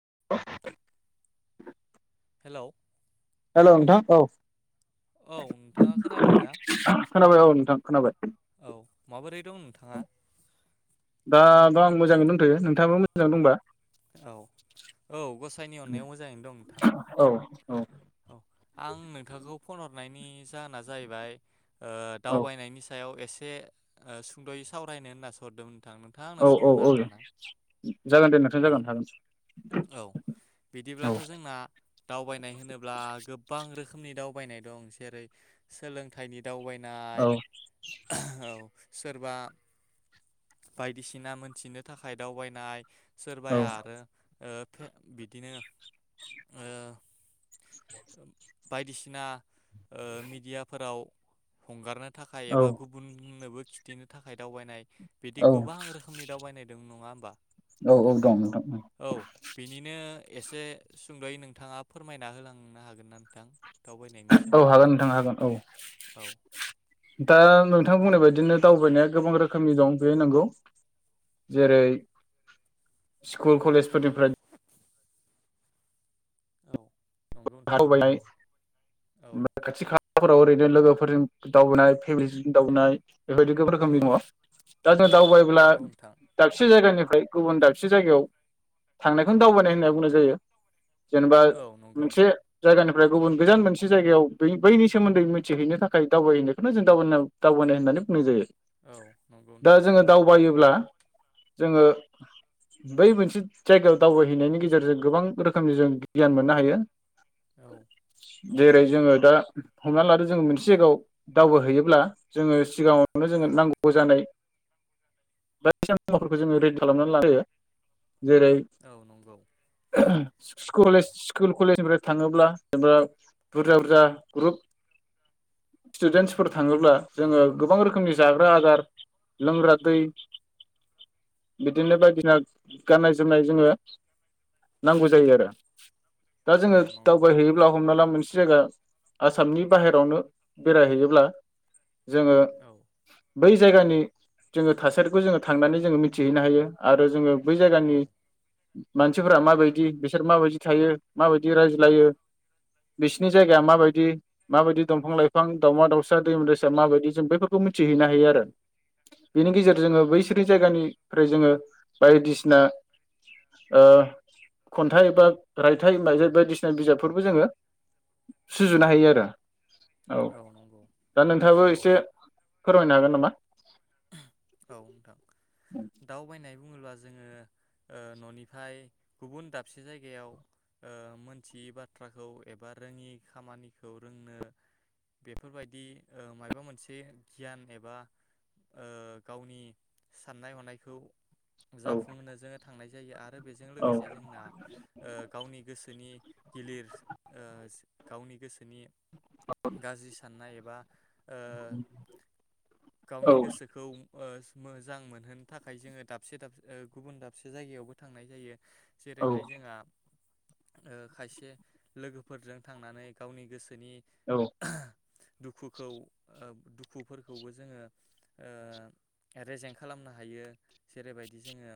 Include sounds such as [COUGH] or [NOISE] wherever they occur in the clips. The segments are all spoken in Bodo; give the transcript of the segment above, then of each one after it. [INAUDIBLE] हेलौ। हेलौ नोंथां औ। औ नोंथाङा खोनादोंना? खोनाबाय औ नोंथां खोनाबाय औ माबोरै दं नोंथाङा? दा बा आं मोजाङै दंथयो नोंथाङाबो मोजां दंबा? औ औ गसाइनि अन्नायाव मोजाङैनो दं नोंथां। औ औ औ आं नोंथांखौ फन हरनायनि जाहोना जाहैबाय ओ औ दावबायनायनि सायाव ए एसे ओ सुंदयै सावरायनो होननासो हरदोंमोन नोंथां नोंथाङा आंनो सम होनो औ-औ-औ हागोन ना? जागोन दे नोंथां औ जागोन हागोन औ औ आ गोबां रोखोमनि दा दावबायनाय दं जेरै सोलोंथाय बिफ दावबायनाय औ औ सोरबा बायदिसिना मोनथिनो थाखाय दावबायनाय औ सोरबाया आरो ओ बिदिनो ओ बायदिसिना ओ मिडियाफोराव हंगारनो थाखाय एबा गुबुननोबो खिथिनो थाखाय दावबायनाय बिदि गोबां रोखोमनि दावबायनाय दं नङा बा नोंथां औ औ दं नोंथां औ बेनिनो एसे सुंदयै नोंथाङा फोरमायना होलां हागोन ना नोंथां औ हागोन नोंथां हागोन औ दा नोंथां बुंनाय बायदिनो दावबायनाया गोबां रोखोमनि दं बे नंगौ जेरै स्कुल कलेजफोरनिफ्राय औ नंगौ नोंथां दावबायनाय औ खाथि खाला फोराव ओरैनो लोगोफोरजों दावबायननाय फेमिलिजों दावबायनाय बेबायदि गोबां रोखोमनि औ दङ दा जों दावबायोब्ला नंगौ नोंथां दाबसे जायगानिफ्राय गुबुन दाबसे जायगायाव थांनायखौनो दावबायनाय होनना बुंनाय जायो जेनेबा औ नंगौ मोनसे जायगानि फ्राय गुबुन गोजान मोनसे जायगायाव बै बैनि सोमोन्दै मिथिहैनो थाखाय दावबायहैनायखौनो जों दावबोनाय दावबायनाय होननानै बुंनाय जायो। औ नंगौ दा नोंथां जोङो दावबायोब्ला जोङो बै मोनसे जायगायाव दावबायहैनायनि गेजेरजों गोबां रोखोमनि जों गियान मोननो हायो औ नंगौ जेरै जोंडों दा हमना लादो जोङो मोनसे जायगायाव दावबायहैयोब्ला जोङो सिगाङावनो औ जोङो नांगौ जानाय बायदिसिना मुवाफोरखौ जोङो रेडि खालामनानै लायो जेरै औ नंगौ [INAUDIBLE] कलेज स्कुल कलेज निफ्राय थाङोब्ला जेनेबा बुरजा बुरजा ग्रुप स्टुडेन्टसफोर थाङोब्ला औ जोङो गोबां रोखोमनि जाग्रा आदार लोंग्रा दै बिदिनो बायदिना गाननाय जोमनाय जोङो नांगौ जायो आरो दा औ जोङो नंगौ दावबायहैयोब्ला हमना ला मोनस जायगा आसामनि बाहेरायावनो बेरायहैयोब्ला जोङो औ बै जायगानि जोङो थासारिखौ जोङो थांनानै जोङो मिथिहैनो हायो आरो जोङो बै औ जायगानि मानसिफोरा माबायदि बिसोर माबायदि थायो माबायदि रायज्लायो बिसिनि जायगाया माबायदि माबायदि दंफां लाइफां दावउमा दाउसा दैम दैसा माबायदि जों बैफोरखौ मिथिहैनो हायो आरो बिनि गेजेर जोङो बैसोरनि जायगानिफ्राय जोङो बायदिसिना ओ खन्थाइ एबा रायथाइ मेथाइ माइ बायदिसिना बिजाबफोरबो जोङो सुजुनो हायो आरो औ दा नोंथाङाबो एसे फोरमायनो हागोन नामा? औ नोंथां दावबायनाय बुङोब्ला जोङो ननिफ्राय गुबुन दाबसे जायगायाव ओ मोनथियै बाथ्राखौ एबा रोङि खामानिखौ रोंनो बेफोरबायदि ओ माबा मोनसे गियान एबा ओ गावनि साननाय हनायखौ औ जाफुंहोनो जोङो थांनाय जायो आरो बेजों औ लोगोसे जोंना ओ गावनि गोसोनि गिलिर ओ गावनि गोसोनि गाज्रि सा साननाय एबा ओ औ गावनि गोसोखौ ओस मोजां मोनहोनो थाखाय जोङो दाबसे दाबसे ओ गुबुन दाबसे जायगायावबो थांनाय जायो औ जेरैहाय जोंहा ओ खायसे लोगोफोरजों थांनानै गावनि गोसो सोनि [INAUDIBLE] दुखुखौ ओ दुखुफोरखौबो जोङो रेजें खालामनो हायो जेरैबायदि जोङो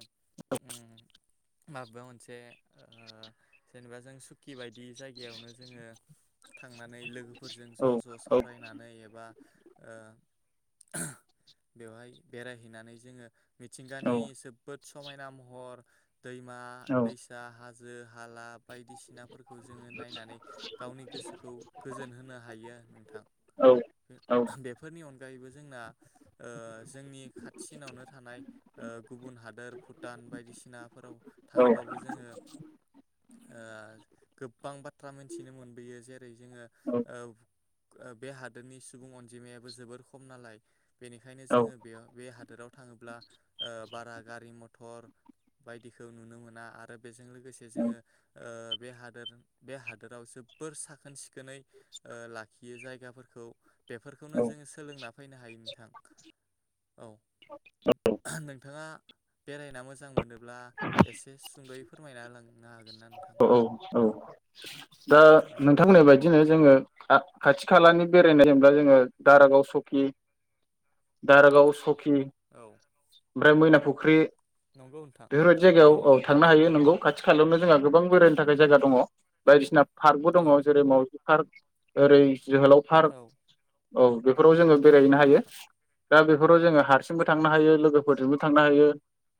उम माबा मोनसे ओ जेनेबा जों सुकि बायदि बिदि जायगायावनो जोङो थांनानै लोगोफोरजों ज औ ज औ सावरायनानै एबा ओ [INAUDIBLE] बेवहाय बेरायहैनानै जोङो मिथिंगानि जोबोद समायना महर दैमा दैसा हा जो हाला बायदिसिनाफोरखौ जोङो नायनानै गावनि गोसोखौ गोजोन होनो हायो नोंथां। औ बे-बेफोरनि अन गायैबो जोंना ओ जोंनि खाथिसिनावनो थानाय ओ गुबुन हादोर भुटान बायदिसिनाफोराव थाङोबाबो जोङो ओ गोबां बा थ्रा मिथिनो मोनबोयो जेरै- जोङो ओ ओ बे हादोरनि सुबुं अनजिमायाबो जोबोर खम नालाय बेनिखायनो औ जोङो हादोराव थाङोब्ला ओ बारा गारि मथर बायदिखौ नुनो मोना आरो बेजों लो गोसे जोङो ओ बे हादोर बे हादोराव जोबोर साखोन सिखोनै ओ लाखियो जायगाफोरखौ बेफोरखौनो जोङो सोलोंना फैनो हायो नोंथां। औ [UNINTELLIGIBLE] नों थाङा बेरायना मोजां मोनो ब्ला एसे सुंद'यै फोरमायना होलां ना हागोन ना नोंथां? औ औ [INAUDIBLE] दा औ नोंथां होननाय बायदिनो जोङो आ खाथि खालानि बेरायनाय जेनेब्ला जोङो दारागाव सकि दारागाव सकि औ ओमफ्राय मैनाफुख ख्रि नंगौ नोंथां बेफोरबायदि जायगायाव औ थांनो हायो नंगौ खाथि खालायावनो जोंहा गोबां बेरायनो औ थाखाय जायगा दङ। बायदिसिनाब पार्कबो दङ औ जेरै- मावजि पार्क ओरै- जोहोलाव पार्क औ औ बेब फोराव जोङो बेरायहैनो नंगौ हायो नोंथां दा बेफोराव जोङो हारसिंबो थांनो हायो लोगोफोरजोंबो थांनो हायो।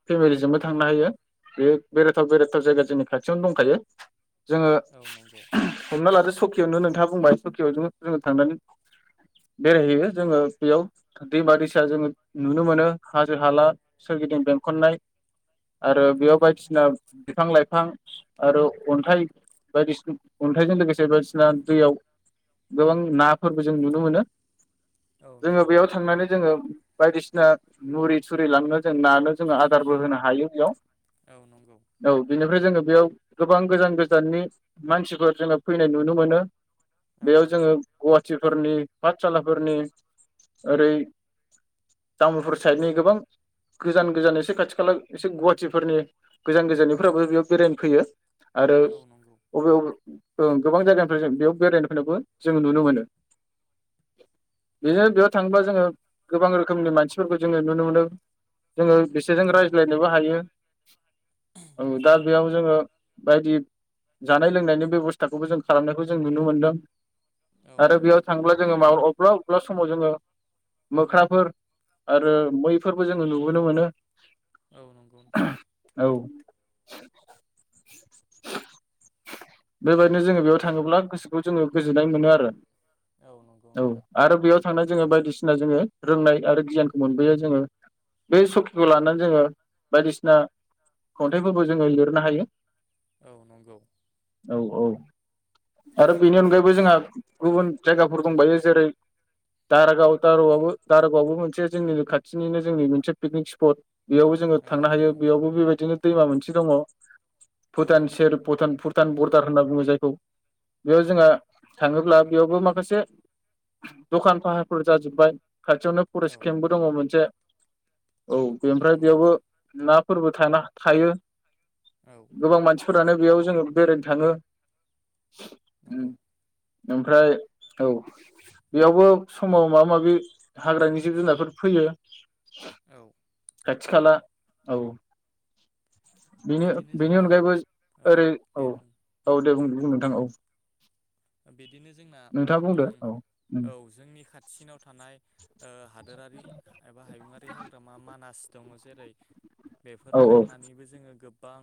फेमिलिजोंबो औ थांनो हायो। बे बेेरायथाव बेराथाव जाया जोंनि खाथियावनो दंखायो। जोङो औ नंगौ [UNINTELLIGIBLE] हमना लादो सखि सुकियावनो नोंथा बुंबाय सुकियाव जोङो थांनानै बेरायहैयो जोङो बेयाव दैमा दैसा जोङो नुनो मोनो हाजो हाला सोरगिदिं बेंखननाय आरो बेयाव उम बायदिसिना बिफां लाइफां आरो अन्थाइ बायदिसन अन्थाइजों लोगोसे बायदिसिना दैयाव गोबां नाफोरबो जों नुनो मोनो। औ जोङो नंगौ बेयाव थांनानै नोंथां जोङो बायदिसिना [UNINTELLIGIBLE] जों नानो आदारबो होनो हायो बेयाव औ नंगौ औ बिनिफ्राय जोङो बेयाव गोबां गोजान गोजाननि मानसिफोर जोङो फैनाय नुनो मोनो औ बेयाव जोङो नंगौ गुवाहाटिफोरनि पाठसालाफोरनि ओरै तामुलपुर साइडनि गोबां गोजान गोजान एसे खाथि खाला एसे गुवाहाटिफोरनि गोजान गोजाननिफोराबो बेयाव बेरायनो फैयो आरो औ नंगौ अबे अबे ओं गोबां जायगानिफ्राय जों बेयाव बेरायनोबो जोङो नुनो मोनो बिदिनो बेयाव थाङोबा जोङो गोबां रोखोमनि मानसिफोरखौ जोङो नुनो मोनो जोङो बिसोरजों औ नंगौ रायज्लायनोबो हायो दा नंगौ ओ बायदि जानाय लोंनायनि बेबस्थाखौबो जों खालामनायखौ जों नुनो मोनदों औ आरो नंगौ बेयाव थांब्ला जोङो माव अब्ला माब्ला समाव जोङो मोख्राफोर आरो मैफोरबो जोङो नुबोनो मोनो औ नंगौ नोंथां औ [UNINTELLIGIBLE] बेबायदिनो जोङो बेयाव थाङोब्ला गोसोखौ जोङो गोजोननाय मोनो आरो औ नंगौ औ नोंथां आरो बेयाव थांनाय जोङो बायदिसिना जोङो रोंनाय आरो गियानखौ मोनबोयो जोङो बे सखिखौ औ लानानै जोङो बायदिसिना खन्थाय फोरबो जोङो लिरनो हायो औ नंगौ औ औ आरो बेनि अनगायैबो जोंहा गुबुन जायगाफोर दंबायो जेरै दारागाव दारगावाबो दारागावाबो मोनसे जोंनि खाथिनिनो जोंनि मोनसे पिकनिक स्पट बेयावबो जोङो औ थांनो हायो नंगौ नोंथां बेयावबो बेबायदिनो दैमा मोनसे दङ औ भुटान सेर भुटानफुर भुटान बरदार होनना बुङो जायखौ बेयाव जोंङा थाङोब्ला बेयावबो माखासे दखान फाहारफोर जाजोब्बाय खाथियावनो औ फरेस्ट केम्पबो दङ मोनसे औ बेनिफ्राय नंगौ बेयावबो नोंथां ना फोरबो थानाह थायो औ गोबां मानसि फोरानो बेयाव जोङो बेरायनो थाङो नंगौ उम ओमफ्राय औ बेयावबो समाव माबा माबि हाग्रानि जिब जुनारफोर फैयो औ खाथि खाला औ बेनि बिदिनो बेनि जोंना अनगायैबो औ ज ओरै दे औ बुं औ दे बुं ओ नोंथां औ बिदिनो जोंना नोंथाङा ओम बुंदो औ औ जोंनि खाथिसिनाव थानाय ओ हादोरारि एबा हायुङारि हाग्रामा मानास दङ जेरै बेफोराव औ थांनानैबो जोङो गोब बां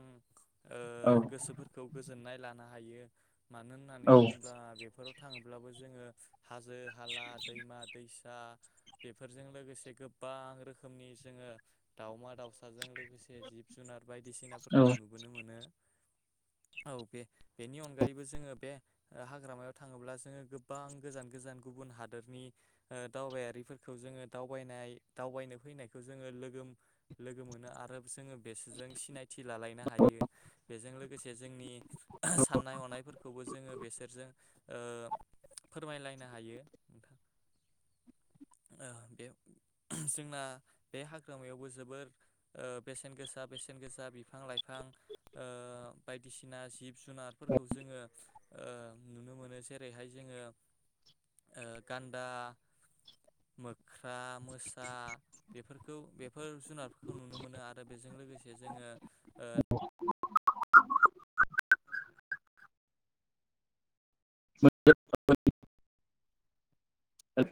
ओ गोसोफोरखौ गोजोननाय लाना हायो मानो होननानै औ बुङो ब्ला बेफोराव थां ब्लाबो जोङो हाजो हाला दैमा दैस दा बेफोरजों लोगोसे गोबां रोखोमनि जोङो दावमा दावसाजों लोगोसे जिब जुनार औ बायदिसिनाफोरखौ नुबोनो मोनो औ बे-बेनि अनगायैबो जोङो बे ओ हाग्रामायाव थाङोब्ला जोङो गोबां गोजान गोजान गुबुन हादोरनि ओ दावबायारिफोरखौ जोङो दावबायनाय दावबायनो फैनायखौ जोङो लोगोम लोगो मोनो आरो जोङो बेसोरजों सिनायथि लालायनो हायो बेजों लोगोसे जोंनि साननाय हनायफोरखौबो जोङो बेस सोरजों ओ फोरमायलायनो हायो नोंथां ओ बेयाव जोंना बे हाग्रामायावबो जोबोर ओ बेसेन गोसा बेसेन गोसा बिफां लाइफां ओ बायदिसिना जिब जुनारफोरखौ जोङो ओ नुनो मोनो जेरैहाय जोङो ओ गान्दा मोख्रा मोसा बेफोरखौ बेफ फोर जुनारफोरखौ नुनो मोनो आरो बेजों लोगोसे जोङो ओ [UNINTELLIGIBLE] औ